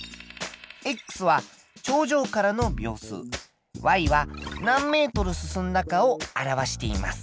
は頂上からの秒数。は何ｍ進んだかを表しています。